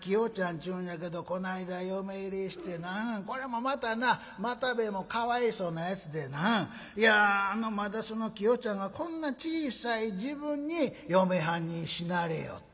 っちゅうんやけどこないだ嫁入りしてなこれもまたな又兵衛もかわいそうなやつでないやあのまたそのきよちゃんがこんな小さい時分に嫁はんに死なれよってな。